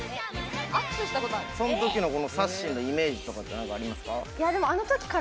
その時のさっしーのイメージとかってありますか？